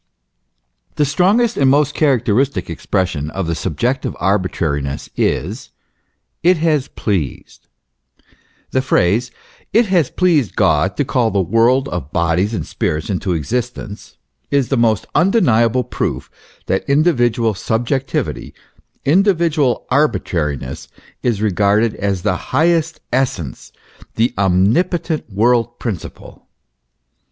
* The strongest and most characteristic expression of subjective arbitrari ness is, " it has pleased ;" the phrase, " it has pleased God to call the world of bodies and spirits into existence," is the most undeniable proof that individual subjectivity, individual arbitrariness, is regarded as the highest essence the omnipo tent world principle.